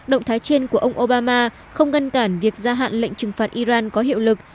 động thái trên của ông obama không ngăn cản việc gia hạn lệnh trừng phạt iran có hiệu lực